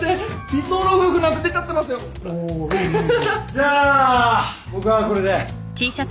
じゃあ僕はこれで。